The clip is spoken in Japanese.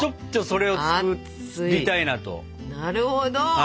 なるほど。